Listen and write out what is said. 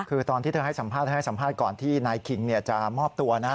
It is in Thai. คือตอนที่เธอให้สัมภาษณ์ก่อนที่นายคิงจะมอบตัวนะ